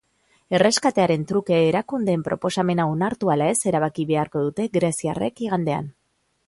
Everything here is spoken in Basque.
Erreskatearen truke erakundeen proposamena onartu ala ez erabaki beharko dute greziarrek igandean.